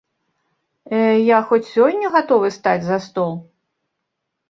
Я хоць сёння гатовы стаць за стол.